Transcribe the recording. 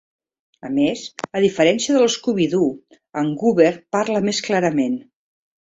A més, a diferència de l'Scooby-Doo, en Goober parla més clarament.